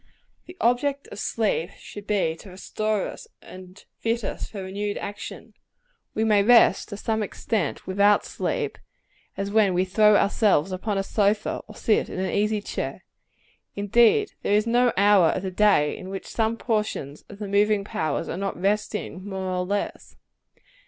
The object of sleep should be to restore us, and fit us for renewed action. We may rest, to some extent, without sleep; as when we throw ourselves upon a sofa, or sit in an easy chair. Indeed, there is no hour of the day in which some portions of the moving powers are not resting, more or less.